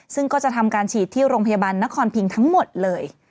ซึ่งก็จะทำการฉีดที่โรงพยาบาลนครพิงทั้งหมดเลย